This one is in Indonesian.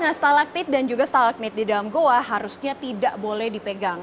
nah stalaktit dan juga stalakmit di dalam goa harusnya tidak boleh dipegang